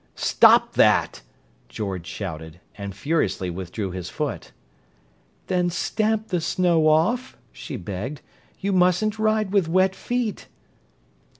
"Stop that!" George shouted, and furiously withdrew his foot. "Then stamp the snow off," she begged. "You mustn't ride with wet feet."